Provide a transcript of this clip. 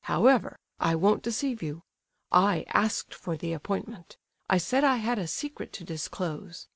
However, I won't deceive you; I asked for the appointment. I said I had a secret to disclose.